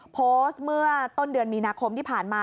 โพสต์เมื่อต้นเดือนมีนาคมที่ผ่านมา